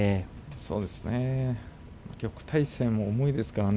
そうですね旭大星も重いですからね。